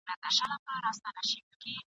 په دې کورکي رنګ په رنګ وه سامانونه ..